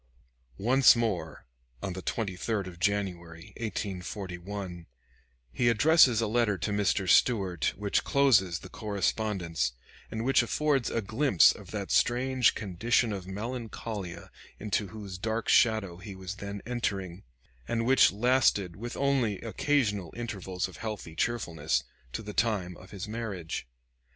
Once more, on the 23d of January, 1841, he addresses a letter to Mr. Stuart, which closes the correspondence, and which affords a glimpse of that strange condition of melancholia into whose dark shadow he was then entering, and which lasted, with only occasional intervals of healthy cheerfulness, to the time of his marriage.